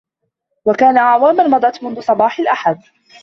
وكأن أعواما مضت منذ صباح الأحد.